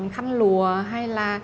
khăn lùa hay là